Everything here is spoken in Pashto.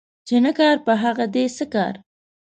چي نه کار ، په هغه دي څه کار